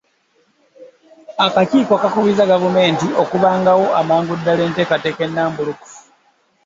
Akakiiko kakubiriza Gavumenti okubangawo, amangu ddala, enteekateeka ennambulukufu.